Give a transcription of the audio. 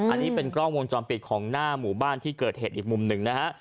อันนี้เป็นกล้องวงจรปิดของหน้าหมู่บ้านที่เกิดเหตุอีกมุมหนึ่งนะฮะ